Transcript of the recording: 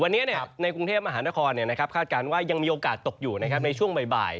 วันนี้ในกรุงเทพมหานครคาดการณ์ว่ายังมีโอกาสตกอยู่ในช่วงบ่าย